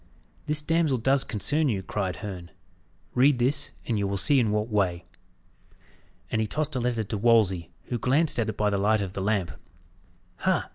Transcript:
"This damsel does concern you," cried Herne. "Read this, and you will see in what way." And he tossed a letter to Wolsey, who glanced at it by the light of the lamp. "Ha!